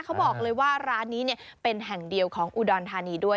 เขาบอกเลยว่าร้านนี้เป็นแห่งเดียวของอุดรธานีด้วย